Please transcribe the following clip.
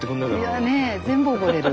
いやねえ全部覚えれる。